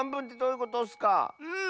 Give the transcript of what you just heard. うん。